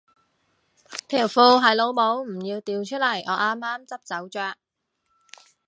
條褲係老母唔要掉出嚟我啱啱執走着